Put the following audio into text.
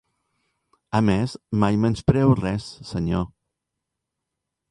A més, mai menyspreo res, senyor.